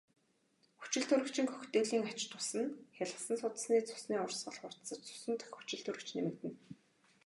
Хүчилтөрөгчийн коктейлийн ач тус нь хялгасан судасны цусны урсгал хурдсаж цусан дахь хүчилтөрөгч нэмэгдэнэ.